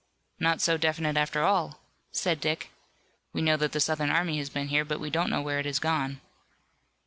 "Not so definite after all," said Dick. "We know that the Southern army has been here, but we don't know where it has gone."